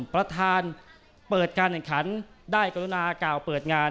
ประธานเปิดการแข่งขันได้กรุณากล่าวเปิดงาน